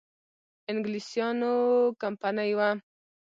انګلیسیانو کمپنی وه.